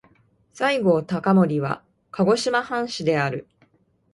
西郷隆盛は鹿児島藩士である。